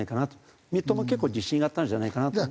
三笘結構自信あったんじゃないかなと思う。